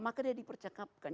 maka dia dipercakapkan